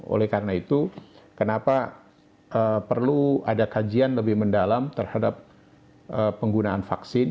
oleh karena itu kenapa perlu ada kajian lebih mendalam terhadap penggunaan vaksin